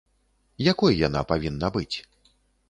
Якой яна павінна быць?